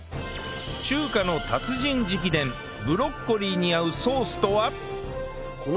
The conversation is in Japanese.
中華の達人直伝ブロッコリーに合うソースとは？